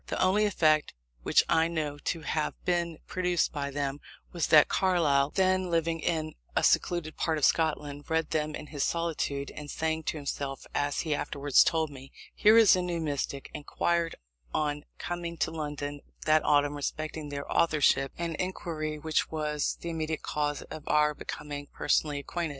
The only effect which I know to have been produced by them, was that Carlyle, then living in a secluded part of Scotland, read them in his solitude, and, saying to himself (as he afterwards told me) "Here is a new Mystic," inquired on coming to London that autumn respecting their authorship; an inquiry which was the immediate cause of our becoming personally acquainted.